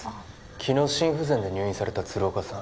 昨日心不全で入院された鶴岡さん